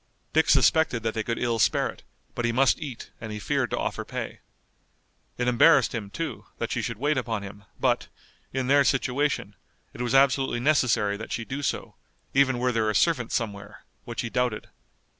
Dick suspected that they could ill spare it, but he must eat and he feared to offer pay. It embarrassed him, too, that she should wait upon him, but, in their situation, it was absolutely necessary that she do so, even were there a servant somewhere, which he doubted.